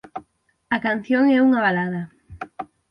A canción é unha balada.